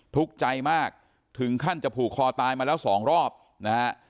ทุกข์ใจมากถึงขั้นจะผูกคอตายมาแล้วสองรอบนะฮะ